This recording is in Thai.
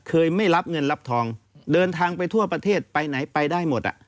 ไม่รับเงินรับทองเดินทางไปทั่วประเทศไปไหนไปได้หมดอ่ะ